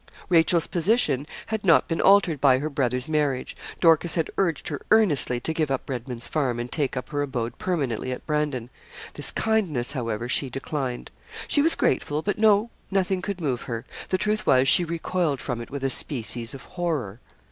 Rachel's position had not been altered by her brother's marriage. Dorcas had urged her earnestly to give up Redman's Farm, and take up her abode permanently at Brandon. This kindness, however, she declined. She was grateful, but no, nothing could move her. The truth was, she recoiled from it with a species of horror.